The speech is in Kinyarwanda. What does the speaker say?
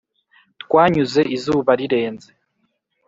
twanyuze izuba rirenze.